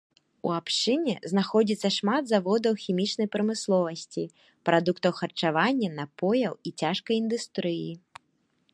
У абшчыне знаходзіцца шмат заводаў хімічнай прамысловасці, прадуктаў харчавання, напояў і цяжкай індустрыі.